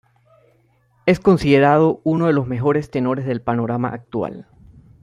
Es considerado uno de los mejores tenores del panorama actual.